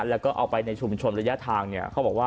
แล้วก็เอาไปในชุมชนระยะทางเนี่ย